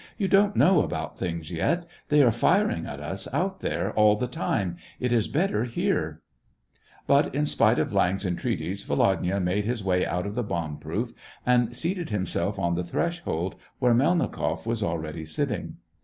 " You don't know about things yet ; they are firing at us out there all the time ; it is better here." 234 SEVASTOPOL IN AUGUST. But, in spite of Viang's entreaties, Volodya made his way out of the bomb proof, and seated himself on the threshold, where Melnikoff was already sitting.